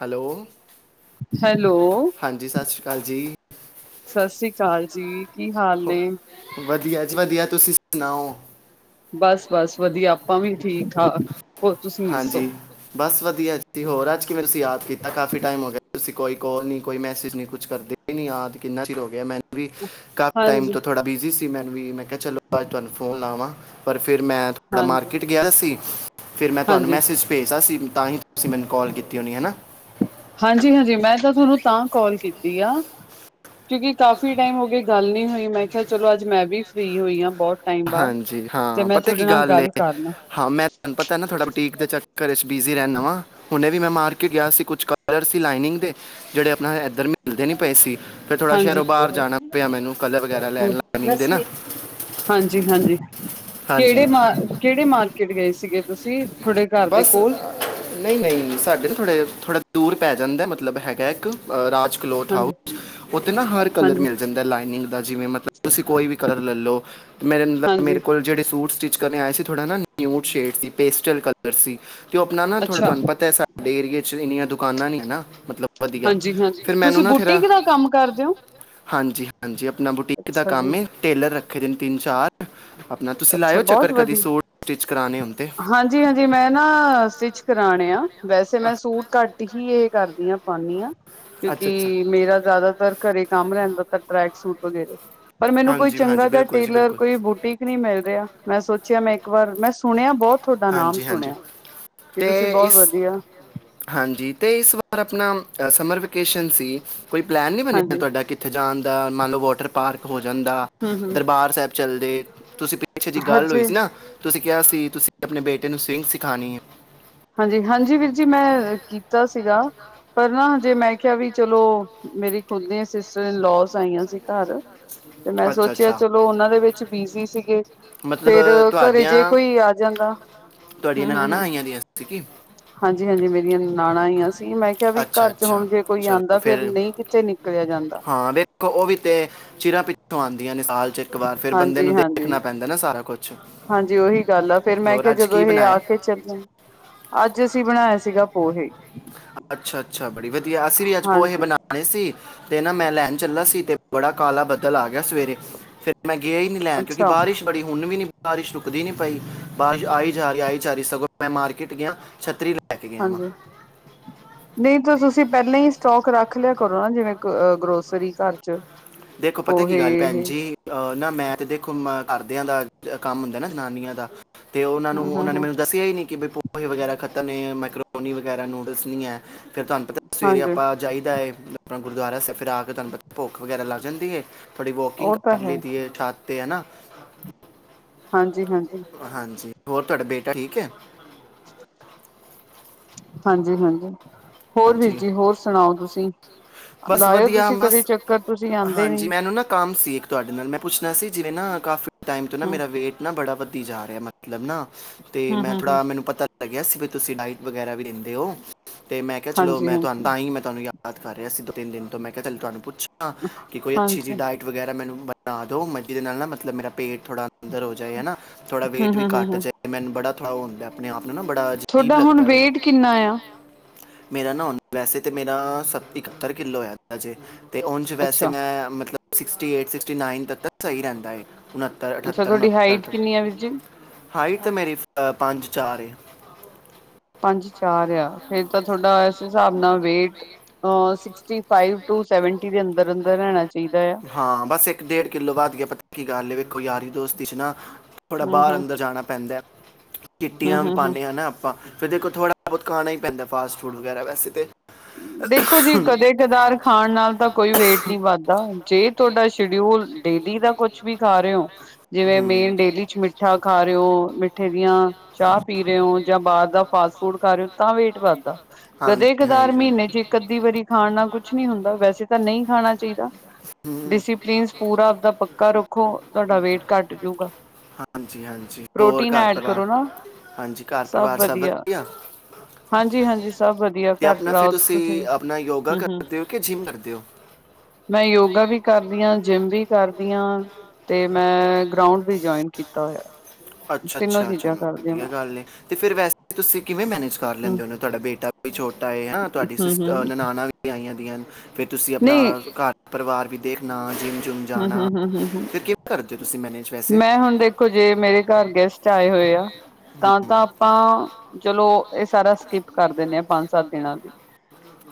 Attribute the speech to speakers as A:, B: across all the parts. A: Hello,
B: hello,
A: ਹਾਂਜੀ ਸਤਿ ਸ਼੍ਰੀ ਅਕਾਲ ਜੀ
B: ਸਸ ਰੀ ਕਾਲ ਜੀ। ਕੀ ਹਾਲ
A: ਹੋ-
B: ਨੇ?
A: ਵਧੀਆ ਜੀ-ਵਧੀਆ, ਤੁਸੀਂ ਸੁਣਾਓ।
B: ਬਸ -ਬਸ ਵਧੀਆ, ਆਪਾਂ ਵੀ ਠੀਕ- ਠਾਕ।
A: ਹਾਂਜੀ ਬਸ ਵਧੀਆ ਜੀ, ਹੋਰ ਅੱਜ ਤੁਸੀਂ ਕਿਵੇਂ ਯਾਦ ਕੀਤਾ, ਕਾਫੀ ਟੈਮ ਹੋ ਗਿਆ ਤੁਸੀਂ ਕੋਈ ਕੌਲ ਨੀ, ਕੋਈ ਮੈਸੇਜ ਨੀ ਕੁਛ ਕਰਦੇ। ਨਹੀਂ ਯਾਦ, ਕਿੰਨਾ ਚਿਰ ਹੋ ਗਿਆ ਮੈਨ ਕਾਫੀ ਟਾਈਮ
B: ਹਾਂਜੀ,
A: ਤੋਂ ਥੋੜਾ ਬਿਜੀ ਸੀ ਮੈਨੂੰ ਵੀ, ਮੈਂ ਕਿਹਾ ਚਲੋ ਅੱਜ ਤੁਹਾਨੂੰ ਫੋਨ ਲਾਵਾਂ। ਪਰ ਫਿਰ ਮੈਂ ਥੋੜ੍ਹਾ
B: ਹਾਂਜੀ,
A: ਮਾਰਕੀਟ ਗਿਆ ਸੀ, ਫਿਰ ਮੈਂ ਤੁਹਾਨੂੰ
B: ਹਾਂਜੀ।
A: ਮੈਸੇਜ ਭੇਜਤਾ ਸੀ, ਤਾਂਹੀ ਤੁਸੀਂ ਮੈਨੂੰ ਕਾਲ ਕੀਤੀ ਹੋਣੀ ਹਨਾ।
B: ਹਾਂਜੀ -ਹਾਂਜੀ, ਮੈਂ ਤਾਂ ਥੋਨੂੰ ਤਾਂ ਕੌਲ ਕੀਤੀ ਆ ਕਿਉਂਕਿ ਕਾਫੀ ਟਾਈਮ ਹੋ ਗਏ ਗੱਲ ਨਹੀਂ ਹੋਈ, ਮੈਂ ਕਿਹਾ ਚਲੋ ਅੱਜ ਮੈਂ ਵੀ ਫਰੀ ਹੋਈ ਹਾਂ, ਬਹੁਤ ਟਾਈਮ ਬਾਅਦ,
A: ਹਾਂਜੀ
B: ਤੇ
A: ਹਾਂ
B: ਮੈਂ
A: ਪਤਾ ਕੀ
B: ਥੋਡੇ ਨਾਲ
A: ਏ
B: ਗੱਲ ਕਰਨੀ ਐ।
A: ਹਾਂ, ਮੈਂ ਤੁਹਾਨੂੰ ਪਤਾ ਨਾ ਥੋੜਾ ਬਟੀਕ ਦੇ ਚੱਕਰ ਵਿਚ ਬਿਜ਼ੀ ਰਹਿੰਨਾ ਵਾਂ। ਹੁਣੇ ਵੀ ਮੈਂ ਮਾਰਕੀਟ ਗਿਆ ਸੀ, ਕੁਛ ਕਲਰ ਸੀ ਲਾਈਨਿੰਗ ਦੇ, ਜਿਹੜੇ ਆਪਣਾ ਇਧਰ ਮਿਲਦੇ ਨੀ ਪਏ ਸੀ, ਫਿਰ ਥੋੜ੍ਹਾ
B: ਹਾਂਜੀ,
A: ਸ਼ਹਿਰੋ ਬਾਹਰ ਜਾਣਾ ਪਿਆ ਮੈਨੂੰ ਕਲਰ ਵਗੈਰਾ ਲੈਣ, ਮਿਲਦੇ ਨਾ।
B: ਹਾਂਜੀ-ਹਾਂਜੀ,
A: ਹਾਂਜੀ
B: ਕਿਹੜੇ ਮਾ- ਕਿਹੜੇ ਮਾਰ ਕੀਟ ਗਏ ਸੀਗੇ ਤੁਸੀਂ, ਥੋਡੇ ਘਰ ਦੇ ਕੋਲ।
A: ਨਹੀਂ-ਨਹੀਂ, ਸਾਡੇ ਥੋੜੇ- ਥੋੜਾ ਦੂਰ ਪੈ ਜਾਂਦਾ, ਮਤਲਬ ਹੈਗਾ ਇੱਕ। ਰਾਜ ਕਲੋਥ
B: ਹਾਂਜੀ,
A: ਹਾਊਸ, ਉੱਥੇ ਨਾ ਹਰ ਕਲਰ
B: ਹਾਂਜੀ,
A: ਮਿਲ ਜਾਂਦਾ ਲਾਈਨਿੰਗ ਦਾ, ਜਿਵੇਂ ਮਤਲਬ ਤੁਸੀਂ ਕੋਈ ਵੀ ਕਲਰ ਲੈ ਲੋ,
B: ਹਾਂਜੀ,
A: ਮੇਰੇ-ਮੇਰੇ ਕੋਲ ਜਿਹੜੇ ਸੂਟ ਸਟਿਚ ਕਰਨੇ ਆਏ ਸੀ ਥੋੜਾ ਨਾ ਨਿਊਟ ਸ਼ੇਡ ਸੀ, ਪੇਸਟਲ ਕਲਰ ਸੀ, ਤੇ ਉਹ ਆਪਣਾ ਨਾ ਥੋੜਾ
B: ਅੱਛਾ।
A: ਤੁਹਾਨੂੰ ਪਤਾ ਸਾ ਸਾਡੇ ਏਰੀਏ ਚ ਏਨੀਆਂ ਦੁਕਾਨਾਂ ਨਹੀਂ ਹੈ ਨਾ, ਮਤਲਬ। ਵਧੀਆ,
B: ਹਾਂਜੀ-ਹਾਂਜੀ,
A: ਫਿਰ ਮੈਨੂੰ
B: ਤੁਸੀਂ
A: ਨਾ ਫਿਰਾ
B: ਬੁਟੀਕ ਦਾ ਕੰਮ ਕਰਦੇ ਹੋ?
A: ਹਾਂਜੀ-ਹਾਂਜੀ, ਆਪਣਾ ਬੁਟੀਕ ਦਾ
B: ਅੱਛਾ ਜੀ,
A: ਕੰਮ ਏ, ਟੇਲਰ ਰੱਖੇ ਦੇ ਨੇ ਤਿੰਨ- ਚਾਰ। ਆਪਣਾ ਤੁਸੀਂ
B: ਅੱਛਾ
A: ਲਾਇਓ
B: ਬਹੁਤ
A: ਚੱਕਰ ਕਦੀ,
B: ਵਧੀਆ।
A: ਸੂਟ ਸਟਿੱਚ ਕਰਾਨੇ ਹੋਣ ਤੇ।
B: ਹਾਂਜੀ-ਹਾਂਜੀ, ਮੈਂ ਨਾ ਸਟਿਚ ਕਰਾਣੇ ਆ, ਵੈਸੇ ਮੈਂ ਸੂਟ ਘੱਟ ਹੀ ਇਹ ਕਰਦੀ ਆ। ਪਾਨੀ ਆਂ,
A: ਅੱਛਾ ਅੱਛਾ
B: ਕਿਉਂਕਿ ਮੇਰਾ ਜ਼ਿਆਦਾਤਰ ਘਰੇ ਕੰਮ ਰਹਿੰਦਾ, ਤਾਂ ਟਰੈਕ ਸੂਟ ਵਗੈਰੇ ਪਰ ਮੈਨੂੰ ਕੋਈ
A: ਹਾਂਜੀ ਹਾਂਜੀ
B: ਚੰਗਾ ਜਾ
A: ਬਿਲਕੁਲ ਜੀ
B: ਟੇਲਰ,
A: ਬਿਲਕੁਲ
B: ਕੋਈ ਬੁ ਟੀਕ ਨੀ ਮਿਲ ਰਿਹਾ, ਮੈਂ ਸੋਚਿਆ ਮੈਂ ਇੱਕ ਵਾਰ ਮੈਂ ਸੁਣਿਆ ਬਹੁਤ ਥੋਡਾ ਨਾਮ
A: ਹਾਂਜੀ ਹਾਂਜੀ
B: ਸੁਣਿਆ, ਕੀ ਤੁਸੀਂ
A: ਤੇ
B: ਬਹੁਤ
A: ਇਸ
B: ਵਧੀਆ।
A: ਹਾਂਜੀ ਤੇ ਇਸ ਵਾਰ ਆਪਣਾ ਸਮਰ ਵੇਕੇਸ਼ਨ ਸੀ, ਕੋਈ ਪਲੈਨ ਨਹੀਂ ਬਣਿਆ,
B: ਹਾਂਜੀ
A: ਤੁਹਾਡਾ ਕਿ ਉੱਥੇ ਜਾਣ ਦਾ ਮੰਨ ਲੋ ਵਾਟਰ ਪਾਰਕ ਹੋ ਜਾਂਦਾ,
B: ਹੂੰ-ਹੂੰ
A: ਦਰਬਾਰ ਸਾਹਿਬ ਚੱਲਦੇ ਤੁਸੀਂ। ਪਿੱਛੇ ਜੀ ਗੱਲ ਹੋਈ
B: ਹਜੇ
A: ਸੀ ਨਾ, ਤੁਸੀਂ ਕਿਹਾ ਸੀ, ਤੁਸੀਂ ਆਪਣੇ ਬੇਟੇ ਨੂੰ ਸਵਿੰਗ ਸਿਖਾਣੀ ਏ।
B: ਹਾਂਜੀ -ਹਾਂਜੀ ਵੀਰ ਜੀ, ਮੈਂ ਕੀਤਾ ਸੀਗਾ। ਪਰ ਨਾ ਹਜੇ ਮੈਂ ਕਿਹਾ ਵੀ ਚਲੋ, ਮੇਰੀ ਖੁਦ ਦੀ ਸਿਸਟਰ ਇਨ ਲੋਜ਼ ਆਈਆਂ ਸੀ ਘਰ, ਤੇ ਮੈਂ
A: ਅੱਛਾ
B: ਸੋਚਿਆ
A: ਅੱਛਾ
B: ਚਲੋ ਉਹਨਾਂ ਦੇ ਵਿੱਚ ਬਿਜੀ ਸੀਗੇ।
A: ਮਤਲਬ
B: ਫੇਰ ਘਰੇ ਜੇ
A: ਤੁਹਾਡੀਆਂ
B: ਕੋਈ ਆ ਜਾਂਦਾ ਹੂੰ,
A: ਤੁਹਾਡੀਆਂ
B: ਹੂੰ,
A: ਨ‌ਣਾਨਾਂ
B: ਹੂੰ
A: ਆਈਆਂ ਦੀਆਂ ਸੀਗੀ।
B: ਹਾਂਜੀ -ਹਾਂਜੀ, ਮੇਰੀਆਂ ਨਣਾਨਾਂ ਆਈਆ ਸੀ, ਮੈਂ ਕਿਹਾ ਵੀ
A: ਅੱਛਾ
B: ਘਰ ਚ
A: ਅੱਛਾ
B: ਹੁਣ ਜੇ ਕੋਈ ਆਂਦਾ,
A: ਚਲੋ
B: ਫੇਰ
A: ਫਿਰ
B: ਨਹੀਂ ਕਿੱਥੇ ਨਿਕਲਿਆ ਜਾਂਦਾ।
A: ਹਾਂ ਉਹ ਵੀ ਤੇ ਚਿਰਾਂ ਪਿੱਛੋਂ ਆਂਦੀਆਂ ਨੇ ਸਾਲ ਚ। ਇੱਕ ਵਾਰ ਫਿਰ ਬੰਦੇ
B: ਹਾਂਜੀ
A: ਨੂੰ
B: -ਹਾਂਜੀ,
A: ਦੇਖਣਾ ਪੈਂਦਾ ਨਾ ਸਾਰਾ ਕੁਝ
B: ਹਾਂਜੀ ਉਹੀ ਗੱਲ ਆ, ਫੇਰ ਮੈਂ
A: ਹੋਰ
B: ਕਿਹਾ
A: ਅੱਜ
B: ਜਦੋਂ
A: ਕੀ
B: ਇਹ ਆ
A: ਬਣਾਇਆ
B: ਕੇ ਅੱਜ ਅਸੀਂ ਬਣਾਇਆ ਸੀਗਾ ਪੋਹੇ।
A: ਅੱਛਾ -ਅੱਛਾ ਬੜੀ ਵਧੀਆ, ਅਸੀਂ ਵੀ ਅੱਜ ਪੋਹੇ
B: ਹਾਂਜੀ,
A: ਬਣਾਣੇ ਸੀ, ਤੇ ਨਾ ਮੈਂ ਲੈਣ ਚੱਲਾ ਸੀ, ਤੇ ਬੜਾ ਕਾਲਾ ਬੱਦਲ ਆ ਗਿਆ ਸਵੇਰੇ, ਫਿਰ ਮੈਂ ਗਿਆ ਈ ਨੀ ਲੈਣ, ਕਿਉਂਕਿ
B: ਅੱਛਾ
A: ਬਾਰਿਸ਼ ਬੜੀ ਹੁਣ ਵੀ ਨੀ ਬਾਰਿਸ਼ ਰੁਕਦੀ ਨੀ ਪਈ, ਬਾਰਿਸ਼ ਆਈ ਜਾ ਰਹੀ, ਆਈ ਜਾ ਰਹੀ, ਸਗੋਂ ਮੈਂ ਮਾਰਕੀਟ ਗਿਆ। ਛਤਰੀ ਲੈ ਕੇ ਗਿਆ ਵਾਂ
B: ਹਾਂਜੀ। ਨਹੀਂ ਤਾਂ, ਤੁਸੀਂ ਪਹਿਲਾਂ ਹੀ ਸਟੌਕ ਰੱਖ ਲਿਆ ਕਰੋ ਨਾ, ਜਿਵੇਂ ਗ ਗ੍ਰੋਸਰੀ ਘਰ'ਚ।
A: ਦੇਖੋ ਪਤਾ ਕੀ ਗੱਲ, ਭੈਣ ਜੀ ਅਹ ਨਾ ਮੈਂ ਤੇ ਦੇਖੋ ਘਰਦਿਆਂ ਦਾ ਕੰਮ ਹੁੰਦਾ ਨਾ, ਜਨਾਨੀਆਂ ਦਾ ਤੇ ਉਹਨਾਂ
B: ਹੂੰ
A: ਨੂੰ,
B: ਹੂੰ
A: ਉਹਨਾਂ ਨੇ
B: ਹੂੰ
A: ਮੈਨੂੰ ਦੱਸਿਆ ਹੀ ਨਹੀਂ, ਕਿ ਪ ਹੇ ਵਗੈਰਾ ਖਤਮ ਹੈ, ਮੈਕਰੋੋਨੀ ਵਗੈਰਾ ਨੂਡਲਸ ਨਹੀਂ ਐ, ਫ਼ਿਰ ਤੁਹਾਨੂੰ ਪਤਾ ਸਵੇਰੇ
B: ਹਾਂਜੀ
A: ਆਪਾਂ ਜਾਈਦਾ ਏ, ਆਪਣਾ ਗੁਰਦੁਆਰਾ ਸਾਹਿਬ ਫਿਰ ਆਕੇ, ਤੁਹਾਨੂੰ ਪਤਾ ਭੁੱਖ ਵਗੈਰਾ ਲਗ ਜਾਂਦੀ ਏ ਥੋੜੀ ਵੋਕਿੰਗ
B: ਉਹ ਤਾਂ
A: ਕਰ
B: ਹੈ
A: ਲਈਦੀ ਏ, ਛੱਤ ਤੇ ਹੈਨਾ।
B: ਹਾਂਜੀ-ਹਾਂਜੀ।
A: ਹਾਂਜੀ, ਹੋਰ ਤੁਹਾਡਾ ਬੇਟਾ ਠੀਕ ਏ?
B: ਹਾਂਜੀ-ਹਾਂਜੀ। ਹੋਰ ਵੀਰ
A: ਹਾਂਜੀ
B: ਜੀ, ਹੋਰ ਸੁਣਾਓ ਤੁਸੀਂ?
A: ਬਸ
B: ਲਾਇਓ
A: ਵਧੀਆ
B: ਤੁਸੀਂ ਕਦੇ
A: ਬਸ
B: ਚੱਕਰ, ਤੁਸੀਂ ਆਂਦੇ ਨੀ।
A: ਹਾਂਜੀ ਮੈਨੂੰ ਨਾ ਕੰਮ ਸੀ ਇੱਕ ਤੁਹਾਡੇ ਨਾਲ ਮੈਂ ਪੁੱਛਣਾ ਸੀ, ਜਿਵੇਂ ਨਾ ਕਾਫੀ ਟਾਈਮ ਤੋਂ ਨਾ
B: ਹੂੰ
A: ਮੇਰਾ ਵੇਟ ਨਾ ਬੜਾ ਵਧੀ ਜਾ ਰਿਹਾ, ਮਤਲ ਮਤਲਬ ਨਾ, ਤੇ
B: ਹੂੰ
A: ''ਮੈਂ
B: ਹੂੰ ਹੂੰ
A: ਥੋੜਾ, ਮੈਨੂੰ ਪਤਾ ਲੱਗਿਆ ਸੀ ਵੀ ਤੁਸੀਂ ਡਾਇਟ ਵਗੈਰਾ ਵੀ ਦਿੰਦੇ ਹੋ, ਤੇ ਮੈਂ ਕਿਹਾ ਚਲੋ
B: ਹਾਂਜੀ
A: ਮੈਂ ਤੁਹਾਨੂੰ
B: ਹਾਂਜੀ
A: ਤਾਂ ਈ, ਮੈਂ ਤੁਹਾਨੂੰ ਯਾ ਯਾਦ ਕਰ ਰਿਹਾ ਸੀ, ਦੋ-ਤਿੰਨ ਦਿਨ ਤੋਂ, ਮੈਂ ਕਿਹਾ ਚੱਲ, ਤੁਹਾਨੂੰ ਪੁੱਛਾਂ ਕਿ ਕੋਈ ਅੱਛੀ ਜੀ,
B: ਹਾਂਜੀ
A: ਡਾਇਟ ਵਗੈਰਾ ਮੈਨੂੰ ਬਣਾਦੋ, ਮਲਟੀ ਦੇ ਨਾਲ ਨਾ ਮਤਲਬ, ਮੇਰਾ ਪੇਟ ਥੋੜਾ ਅੰਦਰ ਹੋ ਜਾਏ, ਹਨਾ। ਥੋੜਾ
B: ਹੂੰ
A: ਵੇਟ ਵੀ
B: ਹੂੰ ਹੂੰ
A: ਘੱਟ
B: ਹੂੰ
A: ਜੇ, ਮੈਨੂੰ ਬੜਾ ਥੋੜਾ ਓਹ ਹੁੰਦਾ ਆਪਣੇ-ਆਪ ਨੂੰ ਬੜਾ ਅਜੀਬ
B: ਤੁਹਾਡਾ ਹੁਣ
A: ਲੱਗਦਾ ਵੇ।
B: ਵੇਟ ਕਿੰਨਾ ਆ
A: ਮੇਰਾ ਨਾ ਹੁਣ, ਵੈਸੇ ਤਾਂ ਮੇਰਾ ਸੱਤਰ, ਇਕੱਤਰ ਕਿੱਲੋ ਹੈਗਾ ਜੇ, ਉਂਝ ਵੈਸੇ
B: ਅੱਛਾ
A: ''ਮੈਂ ਮਤਲ ਸਿਕਸਟੀ ਏਟ, ਸਿਕਸਟੀ ਨਾਈਨ ਤੱਕਰ ਤਾਂ ਸਹੀ ਰਹਿੰਦਾ ਏ,
B: ਅੱਛਾ
A: ਉਣੱਤਰ-ਅਠੱਤਰ,
B: ਤੁਹਾਡੀ
A: ਉਣੱਤਰ
B: ਹਾਈਟ
A: ਤ
B: ਕਿੰਨੀ ਆ ਵੀਰ ਜੀ
A: ਹਾਈਟ ਤੇ ਮੇਰੀ ਪੰਜ-ਚਾਰ ਏ।
B: ਪੰਜ ਚਾਰ ਯਾਂ, ਫੇਰ ਤਾਂ ਥੋਡਾ ਇਸ ਹਿਸਾਬ ਨਾਲ wait, six sixty five, to seventy ਦੇ ਅੰਦਰ-ਅੰਦਰ ਰਹਿਣਾ ਚਾਹੀਦਾ ਯਾ।
A: ਹਾਂ ਬਸ, ਇੱਕ-ਡੇਢ ਕਿੱਲੋ ਵੱਧਗਿਆ, ਪਤਾ ਕੀ ਗੱਲ ਏ, ਵੇਖੋ ਯਾਰੀ ਦੋਸਤੀ'ਚ ਨਾ ਥੋੜਾ
B: ਹੂੰ
A: ਬਾਹਰ
B: ਹੂੰ
A: ਅੰਦਰ ਜਾਣਾ ਪੈਂਦਾ ਐ,
B: ਹੂੰ
A: ਕਿੱਟੀਆਂ ਵੀ
B: ਹੂੰ ਹੂੰ
A: ਪਾਂਨੇ ਆ ਨਾ ਆਪਾਂ, ਫਿਰ ਦੇਖੋ ਥੋੜਾ ਬਹੁਤ ਖਾਣਾ ਹੀ ਪੈਂਦਾ ਫਾਸਟ-ਫੂਡ ਵਗੈਰਾ, ਵੈਸੇ ਤੇ
B: ਦੇਖੋ ਜੀ, ਕਦੇ-ਕਦਾਰ ਖਾਣ ਨਾਲ ਤਾਂ ਕੋਈ ਵੇਟ ਨੀ ਵੱਧਦਾ, ਜੇ ਤੁਹਾਡਾ ਸ਼ੀਡਿਊਲ ਡੇਲੀ ਦਾ ਕੁਛ ਵੀ ਖਾ ਰਹੇ ਹੋਂ ਜਿਵੇਂ ਮੇਨ ਡੇਲੀ'ਚ ਮਿੱਠਾ ਖਾ ਰਹੇ ਹੋ, ਮਿੱਠੇ ਦੀਆਂ ਚਾਹ ਪੀ ਰਹੇ ਹੋਂ, ਜਾਂ ਬਾਹਰ ਦਾ ਫਾਸਟ-ਫੂਡ ਖਾ ਰਹੇ ਹੋਂ, ਤਾਂ ਵੇਟ ਵੱਧਦਾ।
A: ਹਾਂਜੀ। ਹਾਂਜੀ
B: ਜੇ ਇੱਕ-ਅੱਧੀ ਵਾਰੀ ਖਾਣ ਨਾਲ ਕੁਛ ਨਹੀਂ ਹੁੰਦਾ, ਵੈਸੇ ਤਾਂ ਨਹੀਂ ਖਾਣਾ ਚਾਹੀਦਾ।
A: ਹਮ,
B: ਡਿਸੀਪਲੀਨਸ ਪੂਰਾ ਆਪਦਾ ਪੱਕਾ ਰੱਖੋ, ਤੁਹਾਡਾ ਵੇਟ ਘੱਟ ਜੁਗਾ।
A: ਜੀ, ਹਾਂਜੀ, ਹੋਰ ਘਰ-ਪਰਿਵਾਰ,
B: ਕਰੋ ਨਾ
A: ਹਾਂਜੀ ਘਰ-ਪਰਿਵਾਰ ਸਭ ਵਧੀਆ?
B: ਹਾਂਜੀ-ਹਾਂਜੀ, ਸਭ ਵਧੀਆ
A: ਤੇ
B: ਘਰ।
A: ਆਪਣਾ ਫਿਰ ਤੁਸੀਂ ਆਪਣਾ ਯੋਗਾ
B: ਹੂੰ ਹੂੰ
A: ਕਰਦੇ ਹੋ, ਕਿ ਜਿੰਮ ਕਰਦੇ ਹੋ?
B: ਮੈਂ ਯੋਗਾ ਵੀ ਕਰਦੀ ਆਂ, ਜਿੰਮ ਵੀ ਕਰਦੀ ਆਂ। ਤੇ, ਮੈਂ ਗ੍ਰਾਉਂਡ ਵੀ ਜੁਆਇਨ ਕੀਤਾ ਹੋਇਆ। ਤਿੰਨੋ
A: ਅੱਛਾ-ਅੱਛਾ,
B: ਚੀਜ਼ਾਂ
A: ਚਲੋ
B: ਕਰਦੀ ਆ
A: ਵਧੀਆ
B: ਮੈਂ
A: ਗੱਲ ਏ। ਤੇ ਫਿਰ, ਵੈਸੇ ਤੁਸੀਂ ਕਿਵੇਂ ਮੈਨੇਜ ਕਰ
B: ਹੂੰ, ਹੂੰ,
A: ਲੈਂਦੇ ਹੋ, ਤੁਹਾਡਾ ਬੇਟਾ ਵੀ ਛੋਟਾ ਹੈ, ਤੁਹਾਡੀ
B: ਹੂੰ
A: ਸੀਸ ਨਨਾਣਾ ਆਈਆਂ ਦੀਆਂਨ, ਫਿਰ ਤੁਸੀਂ ਆਪਣਾ
B: ਨਹੀਂ
A: ਘਰ-ਪਰਿਵਾਰ ਵੀ ਦੇਖਣਾ, ਜਿੰਮ ਜੁਮ
B: ਹੂੰ,
A: ਜਾਣਾ,
B: ਹੂੰ, ਹੂੰ, ਹੂੰ, ਹੂੰ।
A: ਫਿਰ ਕਿਵੇਂ ਕਰਦੇ ਹੋ, ਤੁਸੀਂ ਮੈਨੇਜ ਵੈਸੇ?
B: ਮੈਂ ਹੁਣ ਦੇਖੋ, ਜੇ ਮੇਰੇ ਘਰ ਗੈਸਟ ਆਏ ਹੋਏ ਆ ਤਾਂ-ਤਾਂ ਆਪਾਂ, ਚਲੋ ਇਹ ਸਾਰਾ ਸ੍ਕੀਪ ਕਰ ਦਿੰਨੇ ਹਾਂ, ਪੰਜ-ਸੱਤ ਦਿਨਾਂ ਲਈ।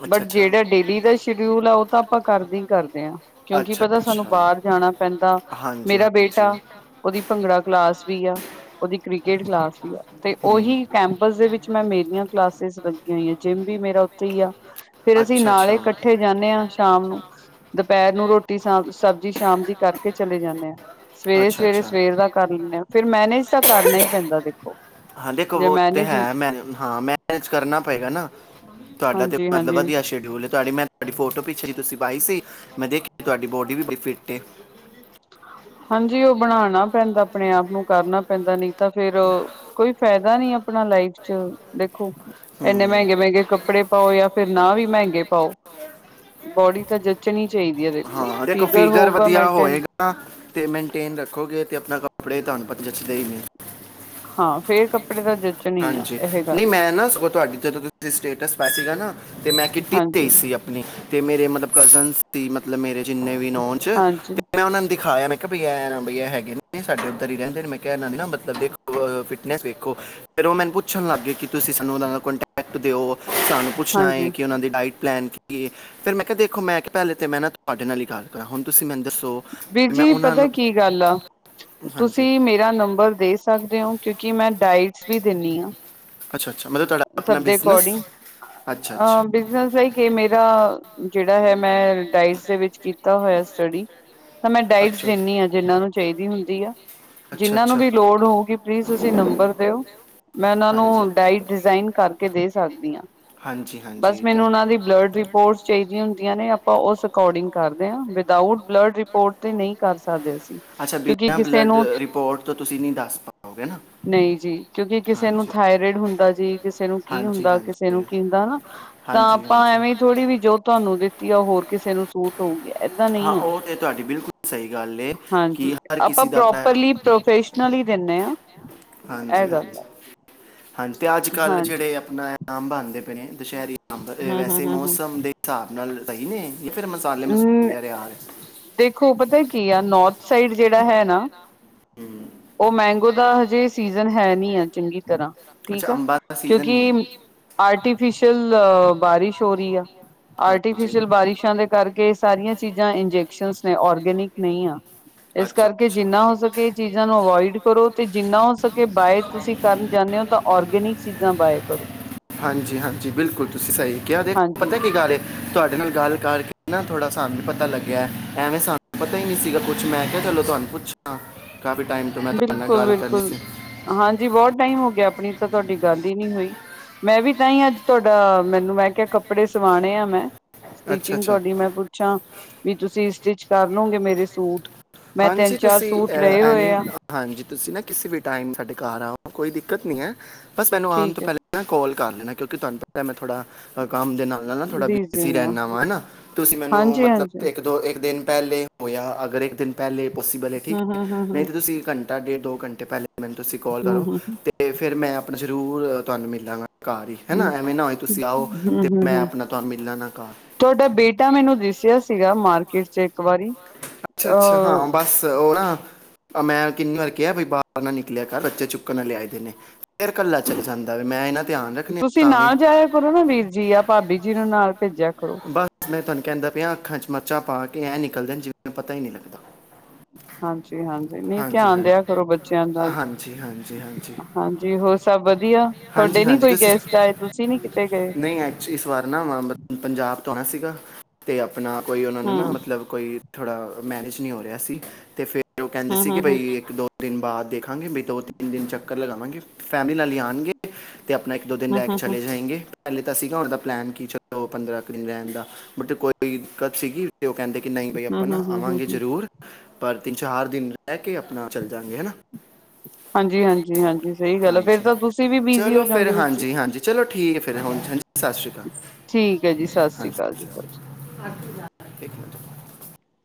A: ਅੱਛਾ
B: ਬਟ
A: ਅੱਛਾ
B: ਜਿਹੜਾ ਡੇਲੀ ਦਾ ਸ਼ੀਡਿਊਲ ਆ, ਉਹ ਤਾਂ ਆਪਾਂ ਕਰਦੇ ਹੀ ਕਰਦੇ ਹਾਂ, ਕਿਉਂਕਿ
A: ਅੱਛਾ
B: ਪਤਾ ਸਾਨੂੰ
A: ਅੱਛਾ।
B: ਬਾਹਰ ਜਾਣਾ ਪੈਂਦਾ ਮੇਰਾ
A: ਹਾਂਜੀ-ਹਾਂਜੀ।
B: ਬੇਟਾ ਉਹਦੀ ਭੰਗੜਾ ਕ੍ਲਾਸ ਵੀ ਆ। ਉਹਦੀ ਕ੍ਰਿਕੇਟ ਕਲਾਸ ਵੀ ਆ, ਤੇ ਉਹੀ ਕੈਂਪਸ ਦੇ ਵਿੱਚ ''ਮੈਂ ਮੇਰੀਆਂ ਕਲਾਸਿਸ ਲੱਗੀਆਂ ਹੋਈਆਂ, ਜਿੰਮ ਵੀ ਮੇਰਾ ਥੇ ਈ ਆ, ਫੇਰ ਅਸੀਂ
A: ਅੱਛਾ ਫਿਰ ਅੱਛਾ
B: ਨਾਲੇ ਇਕੱਠੇ ਜਾਂਨੇ ਆਂ ਸ਼ਾਮ ਨੂੰ, ਦੁਪਹਿਰ ਨੂੰ ਰੋਟੀ ਸ ਸਬਜ਼ੀ ਸ਼ਾਮ ਦੀ ਕਰਕੇ ਚਲੇ ਜਾਂਨੇ ਹਾਂ।
A: ਅੱਛਾ
B: ਸਵੇਰੇ
A: ਅੱਛਾ
B: ਸਵੇਰੇ ਸਵੇਰ ਦਾ ਕਰ ਲੈਂਦੇੇ ਹਾਂ
A: ਲਈ।
B: ਫਿਰ ਮੈਨੇਜ ਤਾਂ ਕਰਨਾ ਹੀ ਪੈਂਦਾ ਦੇਖੋ।
A: ਹਾਂ ਦੇਖੋ
B: ਜੇ
A: ਓ ਤੇ
B: ਮੈਨੇਜ
A: ਹੈ। ਹਾਂ ਮੈਨੇਜ ਕਰਨਾ ਪਏਗਾ ਨਾ ਤੁਹਾਡਾ ਤੇ
B: ਹਾਂਜੀ
A: ਮਤਲਬ
B: ਹਾਂਜੀ
A: ਵਧੀਆ ਸ਼ਡਿਊਲ ਤੁਹਾਡੀ ਮੈਂ ਤੁਹਾਡੀ ਫੋਟੋ ਪਿੱਛ ਤੁਸੀਂ ਪਾਈ ਸੀ ਮੈਂ ਦੇਖੀ ਤੁਹਾਡੀ ਬੋਡੀ ਵੀ ਬੜੀ ਫਿਟ ਏ।
B: ਹਾਂਜੀ ਉਹ ਬਣਾਉਣਾ ਪੈਂਦਾ ਆਪਣੇ ਆਪ ਨੂੰ ਕਰਨਾ ਪੈਂਦਾ ਨਹੀਂ ਤਾਂ ਫੇਿਰ। ਕੋਈ ਫਾਇਦਾ ਨੀ ਆਪਣਾ ਲਾਈਫ ਚ। ਦੇਖੋ ਇੰਨੇ
A: ਹੂੰ
B: ਮਹਿੰਗੇ ਮਹਿੰਗੇ ਕੱਪੜੇ ਪਾਓ ਜਾਂ ਫਿਰ ਨਾ ਵੀ ਮਹਿੰਗੇ ਪਾਓ। ਬੋਡੀ ਤਾਂ ਜੱਚਣੀ ਚਾਹੀਦੀ ਹੈ ਦੇਖੋ ਫੀਗਰ ਹੋਊਗਾ ਮੇਨਟੇਨ।
A: ਅਤੇ ਮੇਨਟੇਨ ਰੱਖੋਗੇ ਅਤੇ ਆਪਣਾ ਕੱਪੜੇ ਤੁਹਾਨੂੰ ਪਤਾ ਜਛਦੇ ਹੀ ਨੇ।
B: ਹਾਂ ਫੇਰ ਕੱਪੜੇ ਦਾ।
A: ਹਾਂਜੀ ਨਹੀਂ ਮੈਂ ਨਾ ਉਹ ਤੁਹਾਡੀ ਜਦੋਂ ਤੁਸੀਂ ਸਟੇਟਸ ਪਾਇ ਸੀਗਾ ਨਾ ਅਤੇ ਮੈਂ ਕਿੱਟੀ
B: ਹਾਂਜੀ
A: ਦੇਈ ਸੀ। ਤੇ ਮੇਰੇ ਮਤਲਬ ਕਜ਼ਨ ਸੀ ਮਤਲਬ ਮੇਰੇ ਜਿੰਨੇ ਵੀ ਨ ਉਹ ਚ
B: ਹਾਂਜੀ
A: ਤੇ ਮ ਉਹਨਾ ਨੂੰ ਦਿਖਾਇਆ ਮ ਬ ਇਹ ਨਾ ਬ ਇਹ ਹੈਗੇ ਨੇ ਸਾਡੇ ਉੱਧਰ ਹੀ ਰਹਿੰਦੇ ਨੇ ਮੈਂ ਕਿਹਾ ਇਹਨਾ ਮਤਲਬ ਦੇਖੋ ਫਿੱਟਨਸ ਦੇਖੋ। ਫਿਰ ਉਹ ਮੈਨੂੰ ਪੁੱਛਣ ਲੱਗ ਗਏ ਕਿ ਤੁਸੀਂ ਸਾਨੂੰ ਉਹਨਾਂ ਦਾ ਕੋਂਟੈਕਟ ਦਿਓ ਸਾਨੂੰ ਪੁੱਛਣਾ ਹੈਏ
B: ਹਾਂਜੀ
A: ਕਿ ਉਹਨਾਂ ਦੀ ਡਾਇਟ। ਪਲੈਨ ਕਿ ਏ ਫਿਰ ਮੈਂ ਕਿਹਾ ਦੇਖੋ ਮੈਂ ਕਿਹਾ ਪਹਿਲੇ ਤੇ ਮੈਂ ਨਾ ਤੁਹਾਡੇ ਨਾਲ ਹੀ ਗੱਲ। ਹੁਣ ਤੁਸੀਂ ਮੈਨੂੰ ਦੱਸੋ
B: ਵੀਰ
A: ਮੈਂ
B: ਜੀ
A: ਉਹਨਾਂ
B: ਪਤਾ
A: ਨੂੰ।
B: ਕੀ ਗੱਲ ਆ
A: ਹਾਂਜੀ
B: ਤੁਸੀਂ ਮੇਰਾ ਨੰਬਰ ਦੇ ਸਕਦੇ ਹੋ ਕਿਉਂਕਿ ਮੈਂ ਡਾਇਟਸ ਵੀ ਦਿੰਦੀ ਹਾਂ।
A: ਅੱਛਾ ਅੱਛਾ ਮਤਲਬ ਤੁਹਾਡਾ ਆਪਣਾ
B: ਸਭ ਦੇ
A: ਬਿਜ਼ਨਸ
B: ਅਕੋਰਡਿੰਗ
A: ਅੱਛਾ
B: ਅ
A: ਅੱਛਾ
B: ਬਿਜਨਸ ਏ ਕਿ ਮੇਰਾ ਜਿਹੜਾ ਹੈ ਮੈਂ ਡਾਇਟਸ ਦੇ ਵਿੱਚ ਕੀਤਾ ਹੋਇਆ ਸਟੱਡੀ। ਤਾਂ ਮੈਂ ਡਾਇਟਸ ਦਿੰਦੀ ਹਾਂ ਜਿਹਨਾਂ ਨੂੰ ਚਾਹੀਦੀ ਹੁੰਦੀ ਆ।
A: ਅੱਛਾ
B: ਜਿਨਾਂ ਨੂੰ
A: ਅੱਛਾ
B: ਵੀ ਲੋੜ ਹੋਊਗੀ ਪਲੀਜ਼ ਤੁਸੀਂ ਨੰਬਰ ਦਿਓ। ਮੈਂ
A: ਹੋ
B: ਉਹਨਾਂ ਨੂੰ ਡਾਇਟ ਡਿਜ਼ਾਇਨ ਕਰਕੇ ਦੇ ਸਕਦੀ ਹਾਂ
A: ਹਾਂਜੀ ਹਾਂਜੀ
B: ਬਸ ਮੈਨੂੰ
A: ਇੱਧਰ
B: ਉਹਨਾਂ ਦੀ ਬਲੱਡ ਰਿਪੋਰਟਸ ਚਾਹੀਦੀਆਂ ਹੁੰਦੀਆਂ ਨੇ ਆਪਾਂ ਉਸ ਅਕੋਰਡਿੰਗ ਕਰਦੇ ਹਾਂ ਵਿਦਾਊਟ ਬਲੱਡ ਰਿਪੋਰਟ ਨਹੀਂ ਕਰ ਸਕਦੇ ਅਸੀਂ
A: ਅੱਛਾ
B: ਕਿਉਂਕਿ
A: ਬਿਨਾਂ
B: ਕਿਸੇ
A: ਬਲੱਡ
B: ਨੂੰ
A: ਰਿਪੋਰਟ ਤੋਂ ਤੁਸੀਂ ਨਹੀਂ ਦੱਸ ਪਾਓਗੇ ਨਾ
B: ਨਹੀਂ ਜੀ ਕਿਉਂਕਿ ਕਿਸੇ ਨੂੰ
A: ਹਾਂਜੀ
B: ਠਾਏ ਠੱਰਿਯਡ ਹੁੰਦਾ ਜੀ ਕਿਸੇ ਨੂੰ ਕੀ
A: ਹਾਂਜੀ
B: ਹੁੰਦਾ ਕਿਸੇ
A: ਹਾਂਜੀ
B: ਨੂੰ ਕੀ ਹੁੰਦਾ ਹੈਨਾ ਤਾਂ
A: ਹਾਂਜੀ
B: ਆਪਾਂ
A: ਹਾਂਜੀ
B: ਐਵੇਂ ਥੋੜੀ ਵੀ ਜੋ ਤੁਹਾਨੂੰ ਦਿੱਤੀ ਆ ਹੋਰ ਕਿਸੇ ਨੂੰ ਸੂਟ ਹੋ ਗਿਆ ਏਦਾਂ
A: ਹਾਂ
B: ਨਹੀਂ ਆ
A: ਉਹ ਤਾਂ ਤੁਹਾਡੀ ਬਿਲਕੁਲ ਸਹੀ ਗੱਲ ਏ ਕਿ ਹਰ ਕਿਸੇ ਦਾ ਆਪਣਾ
B: ਪ੍ਰੋਫੈਸ਼ਨਲ ਹੀ ਦਿੰਦੇ ਹਾਂ।
A: ਹਾਂਜੀ ਹਾਂਜੀ ਹਾਂਜੀ ਤੇ ਅੱਜ ਕੱਲ
B: ਹਾਂਜੀ
A: ਜਿਹੜੇ ਆਪਣਾ ਆਮ ਬਣਦੇ ਪਏ ਨੇ ਦੁਸਹਿਰੀ। ਅੰਬ
B: ਹੂੰ ਹੂੰ
A: ਵੈਸੇ
B: ਹੂੰ ਹੂੰ
A: ਮੌਸਮ ਦੇ ਹਿਸਾਬ ਨਾਲ ਸਹੀ ਨੇ ਫੇਿਰ ਮਸਾਲੇ
B: ਹੂੰ
A: ਮਸੂਿਆ ਰਿਿਆਰ।
B: ਦੇਖੋ ਪਤਾ ਕੀ ਆ ਨੌਰਥ ਸਾਈਡ ਜਿਹੜਾ ਹੈ ਨਾ।
A: ਹੂੰ
B: ਉਹ ਮੈਂਗੋ ਦਾ ਹਜੇ ਸੀਜਨ ਹੈ ਨਹੀਂੀ ਆ ਚੰਗੀ ਤਰ੍ਹਾਂ
A: ਅੱਛਾ
B: ਠੀਕ ਆ
A: ਅੰਬਾਂ ਦਾ ਸੀਜ਼ਨ ਨਹੀਂ ਹੈ
B: ਕਿਉਂਕਿ। ਆਰਟੀਫਿਸ਼ਲ ਬਾਰਿਸ਼ ਹੋ ਰਹੀ ਆ। ਆਰਟੀਫਿਸ਼ਲ ਬਾਰਿਸ਼ਾਂ
A: ਸ਼ਲਵਾਰੀ
B: ਦੇ
A: ਖ ਕਰਕੇ ਸਾਰੀਆਂ
B: ਚੀਜ਼ਾਂ
A: ਚੀਜਾਂ
B: ਇੰਜੈਕਸ਼ਨ
A: ਇੰਜੇਕਸ਼ਨ ਨੇ
B: ਔਰਗੈਨਿਕ ਨਹੀਂ ਆ
A: ਓਰਗੇਨਿਕ ਨਈ ਏ।
B: ਇਸ ਕਰਕੇ ਜਿੰਨਾ ਹੋ ਸਕੇ ਚੀਜ਼ਾਂ ਨੂੰ ਅਵੋਇਡ ਕਰੋ ਤੇ ਜਿੰਨਾ ਹੋ ਸ ਕਿ ਬਾਏ ਤੁਸੀਂ ਕਰਨ ਜਾਂਦੇ ਹੋ ਤਾਂ ਔਰਗੈਨਿਕ ਚੀਜ਼ਾਂ ਬਾਏ ਕਰੋ।
A: ਹਾਂਜੀ ਹਾਂਜੀ ਬਿਲਕੁਲ ਤੁਸੀਂ ਸਹੀ ਕਿਹਾ ਦੇਖ
B: ਹਾਂਜੀ
A: ਪਤਾ ਕੀ ਗੱਲ। ਤੁਹਾਡੇ ਨਾਲ ਗੱਲ ਕਰਕੇ ਨਾ ਥੋੜਾ ਸਾਨੂੰ ਪਤਾ ਲੱਗਿਆ ਐਵੇਂ ਸਾਨੂੰ ਪਤਾ ਹੀ ਨਹੀਂੀ ਸੀਗਾ ਕੁੱਛ ਮੈਂ ਕਿਹਾ ਚਲੋ ਤੁਹਾਨੂੰ। ਪੁੱਛਾਂ ਕਾਫੀ ਟਾਈਮ ਤੋਂ ਮੈਂ ਤਾਡੇ
B: ਬਿਲਕੁਲ
A: ਗਾਲ ਕਰਨੀ
B: ਬਿਲਕੁਲ
A: ਸੀ।
B: ਹਾਂਜੀ ਬਹੁਤ ਟਾਈਮ ਹੋ ਗਿਆ ਆਪਣੀ ਤਾਂ ਤੁਹਾਡੀ ਗੱਲ ਹੀ ਨਹੀਂ ਹੋਈ। ਮੈਂ ਵੀ ਤਾਂ ਹੀ ਅੱਜ ਤੁਹਾਡਾ ਮੈਨੂੰ ਮੈਂ ਕਿਹਾ ਕੱਪੜੇ ਸਵਾਣੇ ਆ ਮੈਂ।
A: ਅੱਛਾ
B: ਸਟਿਚਿੰਗ
A: ਅੱਛਾ
B: ਤੁਹਾਡੀ ਮੈਂ ਪੁੱਛਾਂ ਵੀ ਤੁਸੀਂ ਸਟਿਚ ਕਰ ਲਗੇ ਮੇਰੇ ਸੂਟ। ਮੈਂ ਤਿੰਨ
A: ਹਾਂਜੀ
B: ਚਾਰ
A: ਤੁਸੀਂ
B: ਸੂਟ
A: ਅਹ,
B: ਲਏ ਹੋਏ
A: ਐਨੀ
B: ਆ।
A: ਹਾਂਜੀ ਤੁਸੀਂ ਨਾ ਕਿਸੇ ਵੀ ਟਾਈਮ ਸਾਡੇ ਘਰ ਆਓ ਕੋਈ ਦਿੱਕਤ ਨ ਹੈ ਬਸ ਮੈਨੂੰ ਆਉਣ
B: ਠੀਕ
A: ਤੋਂ
B: ਹੈ
A: ਪਹਿਲਾਂ। ਕਾਲ ਕਰ ਲੈਣਾ ਕਿਉਂਕਿ ਤੁਹਾਨੂੰ ਪਤਾ ਹੈ ਮ ਥੋੜਾ ਅ ਕੰਮ ਦੇ ਨਾਲ। ਨਾ ਥੋੜਾ
B: ਬੀਜੀ
A: ਬਿਜੀ
B: ਨੇ
A: ਰਹਿੰਦਾ ਵਾ ਹਨਾ ਤੁਸੀਂ ਮੈਨੂੰ
B: ਹਾਂਜੀ
A: ਮਤਲਬ
B: ਹਾਂਜੀ
A: ਇੱਕ ਦੋ ਇੱਕ ਦਿਨ ਪਹਿਲੇ। ਹੋਆ ਅਗਰ ਇੱਕ ਦਿਨ ਪਹਿਲੇ ਪੋਸੀਬਲ ਹੈ ਠੀਕ
B: ਹਮ
A: ਹੈ
B: ਹਮ ਹਮ ਹਮ
A: ਨਹੀਂ ਤਾਂ ਤੁਸੀਂ ਘੰਟਾ ਡੇਢ ਦੋ ਘੰਟੇ ਪਹਿਲੇ। ਮੈਨੂੰ ਤੁਸੀਂ ਕੋਲ ਕਰੋ,
B: ਹਮ ਹਮ
A: ਤੇ ਫਿਰ ਮੈਂ ਆਪ ਜ਼ਰੂਰ, ਤਾਣੁ ਮਿਲਾਂਗਾ। ਕਾਰ ਈ,
B: ਹਮ
A: ਹੈਣਾ ਐਵੇਂ ਨਾ ਹੋਏ ਤੁਸੀਂ ਆਓ, ਤੇ
B: ਹਮ ਹਮ
A: ਮੈਂ
B: ਹਮ
A: ਆਪਣਾ ਤਾਣੁ ਮਿਲਾਂ ਨਾ ਕਾਰ।
B: ਤੁਹਾਡਾ ਬੇਟਾ ਮੈਨੂੰ ਦਿਸਿਆ ਸੀਗਾ ਮਾਰਕੀਟ ਚ ਇੱਕ ਵਾਰੀ।
A: ਅੱਛਾ-ਅੱਛਾ
B: ਅਹ
A: ਹਾਂ ਬਸ ਓ ਨਾ। ਅ, ਮੈਂ ਕਿੰਨੀ ਵਾਰ ਕਿਹਾ ਬਈ ਬਾਰ ਨਾ ਨਿਕਲਿਆ ਕਰ ਬੱਚੇ ਚੁੱਕਣ ਨਾ ਲਿਆਂ ਏਦੇ ਨੇ। ਫਿਰ ਕੱਲ੍ਹਾ ਚੱਲ ਜਾਂਦਾ ਵੈ ਮੈਂ ਇੰਨਾ।
B: ਤੁਸੀਂ ਨਾ ਜਾਇਆ ਕਰੋ ਨਾ ਵੀਰ ਜੀ ਆ ਭਾਬੀ ਜੀ ਨੂੰ ਨਾਲ ਭੇਜਿਆ ਕਰੋ।
A: ਮੈਂ ਤਾਣੁ ਕਹਿੰਦਾ ਪਿਆ ਅੱਖਾਂ ਚ ਮਰਚਾਂ ਪਾ ਕੇ ਐਂ ਨਿਕਲਦੇਣ ਜਿਵੇਂ ਪਤਾ ਈ ਨਈ ਲੱਗਦਾ।
B: ਹਾਂਜੀ-ਹਾਂਜੀ ਨਈ
A: ਹਾਂਜੀ
B: ਧਿਆਨ
A: ਹਾਂਜੀ
B: ਦਿਆ ਕਰੋ ਬੱਚਿਆਂ ਦਾ।
A: ਹਾਂਜੀ ਹਾਂਜੀ ਹਾਂਜੀ
B: ਹਾਂਜੀ ਹੋਰ ਸਭ ਵਧੀਆ?
A: ਹਾਂਜੀ
B: ਤੁਹਾਡੇ ਨੀ
A: ਹਾਂਜੀ
B: ਕੋਈ
A: ਤੁਸੀਂ
B: ਗੈਸਟ ਆਏ ਤੁਸੀਂ ਨੀ ਕਿਤੇ ਗਏ?
A: ਨਹੀਂ ਐਕਚ ਇਸ ਵਾਰ ਨਾ ਮੈਂ ਅੰਮ੍ਰਿਤ ਪੰਜਾਬ ਤੋਂ ਆਣਾ ਸੀਗਾ ਤੇ ਆਪਣਾ ਕੋਈ ਉਨਾਂ ਨੂੰ ਨਾ
B: ਹੂੰ
A: ਮਤਲਬ ਕੌਈ ਥੋੜ੍ਹਾ, ਮੈਨੇਜ ਨਈ ਹੋ ਰਿਹਾ ਸੀ, ਤੇ ਫਿਰ ਓ ਕਹਿੰਦੇ
B: ਹੂੰ
A: ਸੀ
B: ਹੂੰ
A: ਕਿ
B: ਹੂੰ
A: ਬਈ ਇੱਕ-ਦੋ ਦਿਨ ਬਾਅਦ ਦੇਖਾਂਗੇ ਵੇ ਦੋ-ਤਿੰਨ ਦਿਨ ਚੱਕਰ ਲਗਾਵਾਂਗੇ, ਫੈਮਲੀ ਨਾਲ ਈ ਆਣਗੇ। ਤੇ ਆਪਣਾ ਇੱਕ-ਦੋ ਦਿਨ
B: ਹੂੰ
A: ਰਹਿ ਕੇ
B: ਹੂੰ ਹੂੰ
A: ਚਲੇ ਜਾਏਗੇ। ਪੈਲੇ ਤਾਂ ਸੀਗਾ ਓਦਾ ਪਲਾਨ ਕੀ ਚਲੋ ਪੰਦਰਾਂ ਦਿਨ ਰਹਿਣ ਦਾ ਬਟ ਕੋਈ ਦਿੱਕਤ ਸੀਗੀ ਓ ਕਹਿੰਦੇ ਕਿ ਨਈ ਬਈ
B: ਹੂੰ
A: ਆਪਾਂ
B: ਹੂੰ
A: ਨਾ
B: ਹੂੰ
A: ਆਵਾਂਗੇ
B: ਹੂੰ
A: ਜ਼ਰੂਰ, ਪਰ ਤਿੰਨ-ਚਾਰ ਦਿਨ ਰਹਿ ਕੇ ਆਪਣਾ ਚੱਲ ਜਾਂਗੇ ਹੈ ਨਾ।
B: ਹਾਂਜੀ-ਹਾਂਜੀ, ਹਾਂਜੀ ਸਈ ਗੱਲ ਏ, ਫੇਰ
A: ਹਾਂਜੀ
B: ਤਾਂ ਤੁਸੀਂ ਵੀ ਬਿਜ਼ੀ ਹੋ
A: ਚਲੋ ਫਿਰ
B: ਜਾਓਗੇ ਵੀਰ ਜੀ।
A: ਹਾਂਜੀ ਹਾਂਜੀ ਚਲੋ ਠੀਕ ਹੈ ਫਿਰ ਹੁਣ, ਹਾਂਜੀ ਸਸ ਸ੍ਰੀ ਕਾਲ।
B: ਠੀਕ ਏ ਜੀ ਸਸ ਸ੍ਰੀ ਕਾਲ ਜੀ ਬਚ।
A: ਇੱਕ ਮਿੰਟ